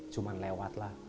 cuman lewat lah